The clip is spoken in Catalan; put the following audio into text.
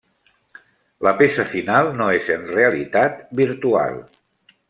La peça final no és en realitat virtual.